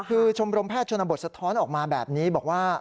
คือชมรมแพทย์ชนบทสะท้อนออกมาแบบนี้บอกว่า